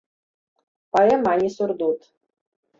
Паэма, а не сурдут.